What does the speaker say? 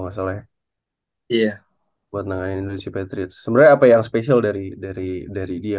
nggak salah iya buat nangani indonesia patriot sebenarnya apa yang spesial dari dari dari dia